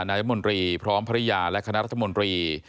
นายรัฐมนตรีพร้อมภรรยาและคณะรัฐมนตรี